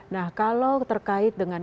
nah kalau terkait dengan